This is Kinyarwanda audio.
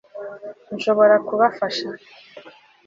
nshobora kubafasha